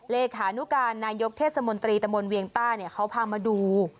เลขานุการนายกเทศมนตรีตะมนต์เวียงต้าเขาพามาดู